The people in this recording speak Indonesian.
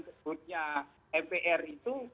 sebutnya mpr itu